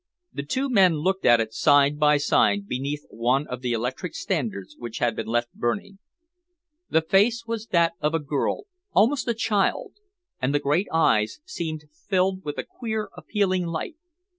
The two men looked at it side by side beneath one of the electric standards which had been left burning. The face was the face of a girl, almost a child, and the great eyes seemed filled with a queer, appealing light.